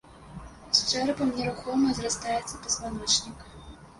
З чэрапам нерухома зрастаецца пазваночнік.